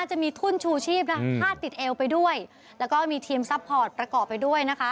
จะมีทุ่นชูชีพนะคะพาดติดเอวไปด้วยแล้วก็มีทีมซัพพอร์ตประกอบไปด้วยนะคะ